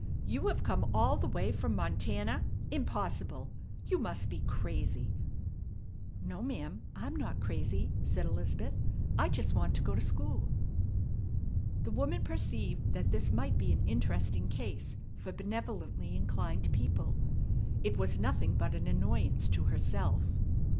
"You have come all the way from Montana! Impossible! You must be crazy." "No, ma'am, I'm not crazy," said Elizabeth. "I just want to go to school." The woman perceived that this might be an interesting case for benevolently inclined people. It was nothing but an annoyance to herself.